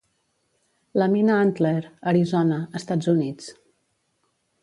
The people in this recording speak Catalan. La mina Antler, Arizona, Estats Units